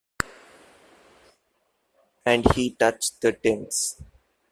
And he touched the tins.